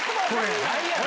ないやろ！